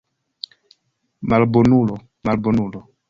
Malbonulo, malbonulo!